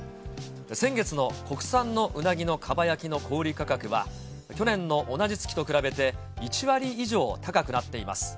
先月の国産のうなぎのかば焼きの小売り価格は、去年の同じ月と比べて１割以上高くなっています。